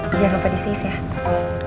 jangan lupa di safe ya